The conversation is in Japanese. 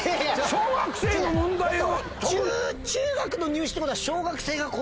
小学生の問題を！